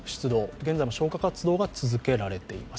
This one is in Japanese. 現在も消火活動が続けられています。